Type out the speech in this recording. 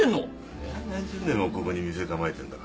そりゃ何十年もここに店構えてんだから。